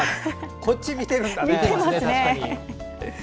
こっち見てるんだね。